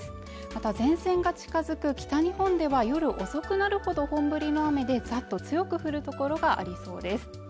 また前線が近づく北日本では夜遅くなるほど本降りの雨でザッと強く降る所がありそうです